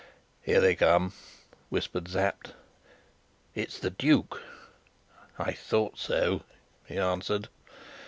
"Here they come!" whispered Sapt. "It's the duke!" "I thought so," he answered.